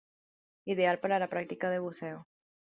Ideal para la práctica de buceo.